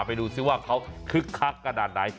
ไปดูซิว่าเขาคึกคักขนาดไหน